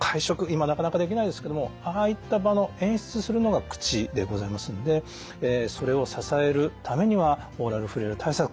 今なかなかできないですけれどもああいった場の演出するのが口でございますのでそれを支えるためにはオーラルフレイル対策